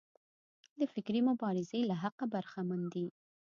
د فکري مبارزې له حقه برخمن دي.